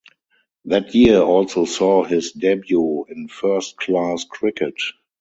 That year also saw his debut in first-class cricket.